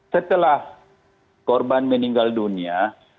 setelah korban meninggal dunia